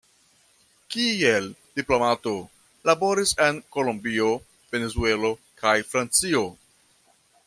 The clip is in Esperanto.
Kiel diplomato, laboris en Kolombio, Venezuelo kaj Francio.